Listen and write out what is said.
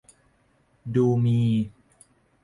ดูมี